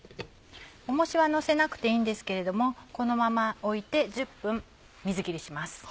重しはのせなくていいんですけれどもこのままおいて１０分水切りします。